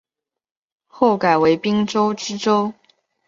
后改为滨州知州。